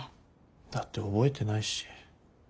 だって覚えてないし。